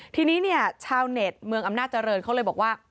ทีนี้เนี่ยชาวเน็ตเมืองอำนาจเจริญเขาเลยบอกว่า